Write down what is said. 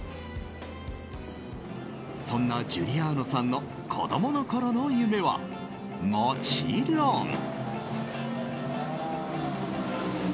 そんなジュリアーノさんの子供のころの夢は、もちろん。